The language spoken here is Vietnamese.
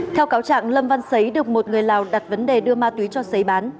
theo cáo trạng lâm văn xấy được một người lào đặt vấn đề đưa ma túy cho giấy bán